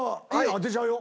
当てちゃうよ。